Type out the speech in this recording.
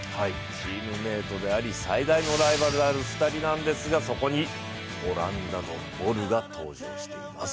チームメ−トであり最大のライバルである２人なんでですがそこにオランダのボルが登場しています。